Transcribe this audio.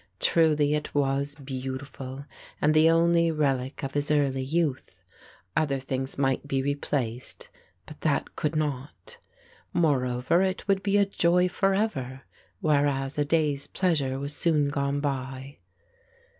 Truly it was beautiful and the only relic of his early youth. Other things might be replaced, but that could not. Moreover it would be a joy forever, whereas a day's pleasure was soon gone by.